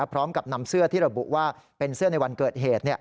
พร้อมกับนำเสื้อที่ระบุว่าเป็นเสื้อในวันเกิดเหตุ